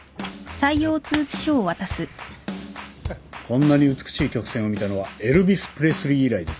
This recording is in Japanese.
こんなに美しい曲線を見たのはエルヴィス・プレスリー以来ですね。